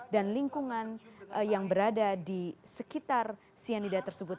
dan lingkungan yang berada di sekitar cyanida tersebut